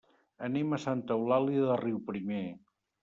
Anem a Santa Eulàlia de Riuprimer.